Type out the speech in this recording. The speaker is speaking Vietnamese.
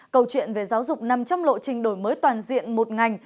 câu chuyện về giáo dục nằm trong lộ trình đổi mới toàn diện một ngành